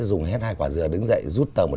dùng hết hai quả dừa đứng dậy rút tầm một trăm linh